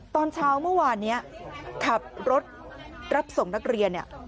ตอนเช้าเมื่อวานนี้ขับรถรับส่งนักเรียนเนี่ย